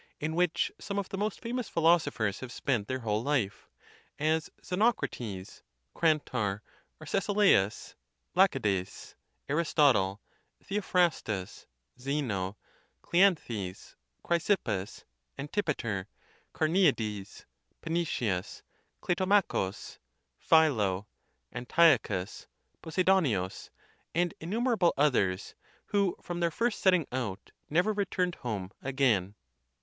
in which some of the most famous philosophers have spent their whole life, as Xenoc rates, Crantor, Arcesilas, Lacydes, Aristotle, Theophrastus, Zeno, Cleanthes, Chrysippus, Antipater, Carneades, Pane tius, Clitomachus, Philo, Antiochus, Posidonius, and innu merable others, who from their first setting out never re turned home again.